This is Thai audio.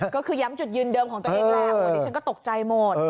ก็คือย้ำจุดยืนเดิมของตัวเองแหละวันนี้ฉันก็ตกใจหมด